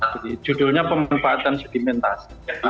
jadi judulnya pengembangan dan segmentasi